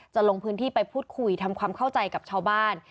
ลงพื้นที่ไปพูดคุยทำความเข้าใจกับชาวบ้าน